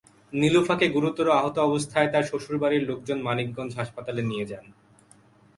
নিলুফাকে গুরুতর আহত অবস্থায় তাঁর শ্বশুরবাড়ির লোকজন মানিকগঞ্জ হাসপাতালে নিয়ে যান।